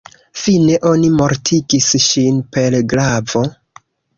Fine, oni mortigis ŝin per glavo.